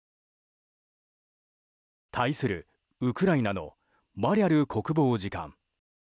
対する、ウクライナのマリャル国防次官。